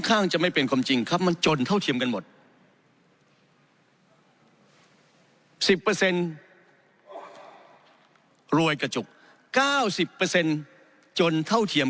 สิบเปอร์เซ็นต์โรยกระจุกก้าวสิบเปอร์เซ็นต์จนเท่าเทียม